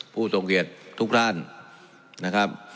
ผู้ทรงเกียจทุกท่านนะครับ